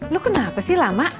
lu kenapa sih lama